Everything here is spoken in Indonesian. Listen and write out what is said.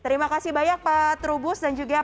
terima kasih banyak pak trubus dan juga